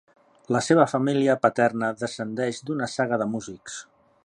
La seva família paterna descendeix d'una saga de músics.